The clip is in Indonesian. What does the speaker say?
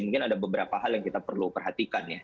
mungkin ada beberapa hal yang kita perlu perhatikan ya